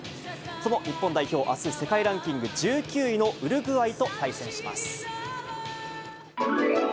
その日本代表、あす、世界ランキング１９位のウルグアイと対戦します。